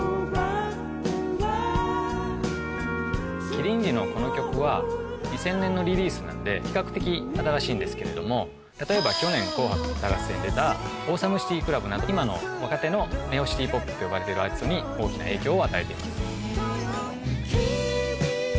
キリンジのこの曲は２０００年のリリースなんで比較的新しいんですけれども例えば。など今の若手のネオシティポップと呼ばれているアーティストに大きな影響を与えています。